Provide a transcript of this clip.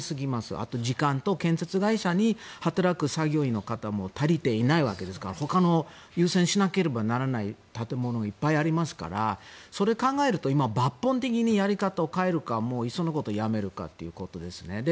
あと時間と建設会社で働く作業員の方も足りていないわけですからほかの優先しなければならない建物がいっぱいありますからそれを考えると抜本的にやり方を変えるかいっそのことやめるかですね。